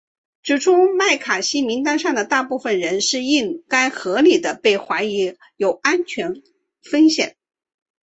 指出麦卡锡名单上大部分人是应该合理地被怀疑有安全风险。